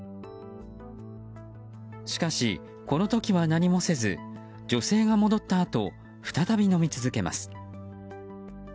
しかし、この時は何もせず女性が戻ったあと再び飲み続けます。